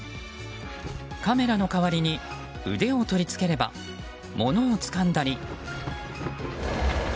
カメラの代わりに腕を取り付ければ物をつかんだり。